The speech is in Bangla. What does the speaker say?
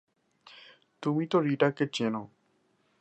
তুমি তো রিটাকে চেন।